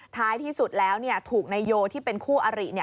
ท้ายที่สุดแล้วเนี่ยถูกในโยลที่เป็นคู่อริเนี่ย